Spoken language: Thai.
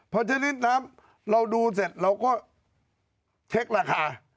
พอชนิดน้ำเราดูเสร็จเราก็เช็คราคา